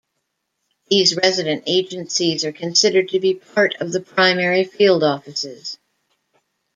These resident agencies are considered to be part of the primary field offices.